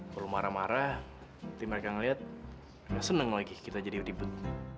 kalau lo marah marah nanti mereka ngeliat nggak seneng lagi kita jadi adibut